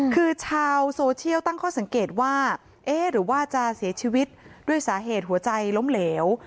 คือชาวโซเชียลตั้งข้อสังเกตว่าเอ๊ะหรือว่าจะเสียชีวิตด้วยสาเหตุหัวใจล้มเหลว